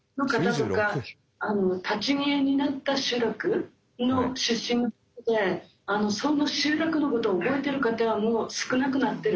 立ち消えになった集落の出身の方でその集落のことを覚えてる方はもう少なくなってる。